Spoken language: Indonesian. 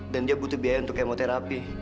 dan dia butuh biaya untuk kemoterapi